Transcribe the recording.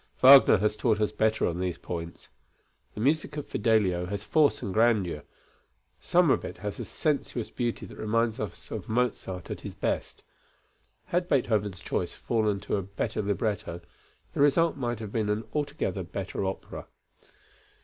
Wagner has taught us better on these points. The music of Fidelio has force and grandeur; some of it has a sensuous beauty that reminds us of Mozart at his best. Had Beethoven's choice fallen to a better libretto, the result might have been an altogether better opera.